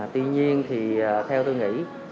tuy nhiên thì theo tôi nghĩ